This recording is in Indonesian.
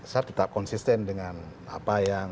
saya tetap konsisten dengan apa yang